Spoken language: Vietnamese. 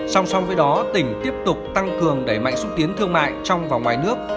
song song với đó tỉnh tiếp tục tăng cường đẩy mạnh xúc tiến thương mại trong và ngoài nước